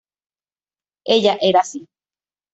Ella era así.